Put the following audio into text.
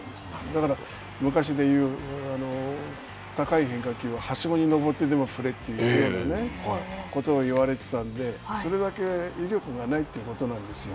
だから昔で言う高い変化球は、はしごに上ってでも振れというようなね、ことを言われてたんで、それだけ威力がないということなんですよ。